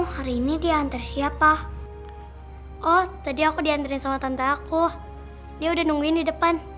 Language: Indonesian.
hari ini diantar siapa oh tadi aku diantarin sama tante aku dia udah nungguin di depan